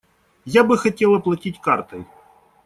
Я бы хотел оплатить картой.